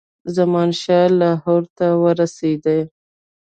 زمانشاه لاهور ته ورسېدی.